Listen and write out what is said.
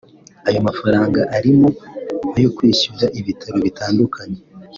Ayo mafaranga arimo ayo kwishyura ibitaro bitandukanye